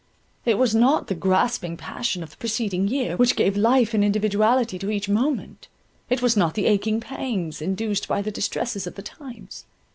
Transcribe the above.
It was not the grasping passion of the preceding year, which gave life and individuality to each moment—it was not the aching pangs induced by the distresses of the times.